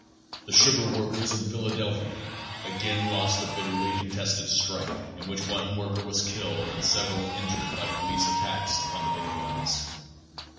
The sugar workers of Philadelphia again lost a bitterly contested strike in which one worker was killed and several injured by police attacks upon the picket lines.